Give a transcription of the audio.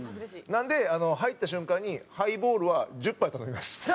なので入った瞬間にハイボールは１０杯頼みます。